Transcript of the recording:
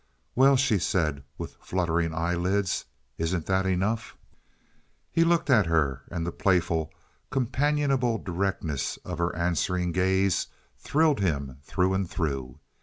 "Well," she said, with fluttering eyelids, "isn't that enough?" He looked at her, and the playful, companionable directness of her answering gaze thrilled him through and through.